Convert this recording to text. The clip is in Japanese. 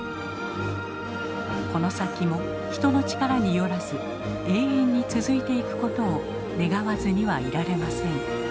この先も人の力によらず永遠に続いていくことを願わずにはいられません。